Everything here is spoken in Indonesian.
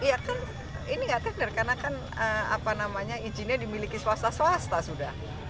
iya kan ini tidak tender karena kan izinnya dimiliki swasta swasta sudah